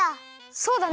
そうだね。